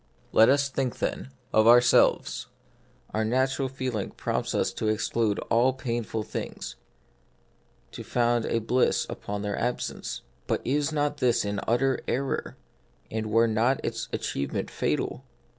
Let us think, then, of ourselves : our natural feeling prompts us to exclude all painful things ; to found a bliss upon their absence. But is not this an utter error, and were not its achievement fatal